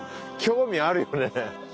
興味あるよね。